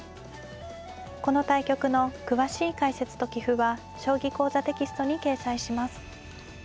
この対局の詳しい解説と棋譜は「将棋講座」テキストに掲載します。